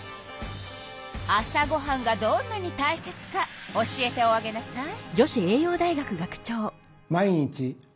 朝ごはんがどんなにたいせつか教えておあげなさい。